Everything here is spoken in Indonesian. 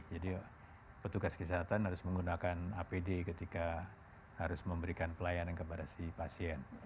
jadi petugas kesehatan harus menggunakan apd ketika harus memberikan pelayanan kepada si pasien